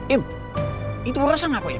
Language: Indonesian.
im itu merasa ngapain